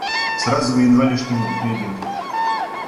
Сразу вы едва ли что-нибудь найдете.